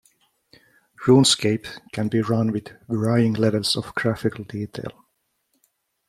"RuneScape" can be run with varying levels of graphical detail.